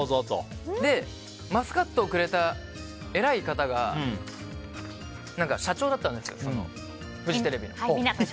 マスカットをくれた偉い方が、社長だったんですよフジテレビの。